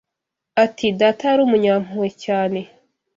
Ati “Data yari umunyampuhwe cyane